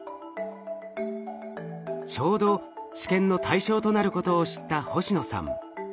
ちょうど治験の対象となることを知った星野さん。